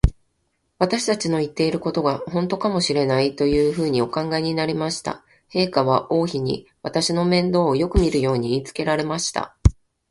私たちの言ってることが、ほんとかもしれない、というふうにお考えになりました。陛下は王妃に、私の面倒をよくみるように言いつけられました。